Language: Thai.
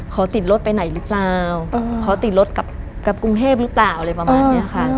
ขอติดรถไปไหนหรือเปล่าขอติดรถกลับกรุงเทพหรือเปล่าอะไรประมาณนี้ค่ะ